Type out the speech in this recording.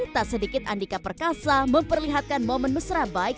tak sedikit andika perkasa memperlihatkan momen mesra baik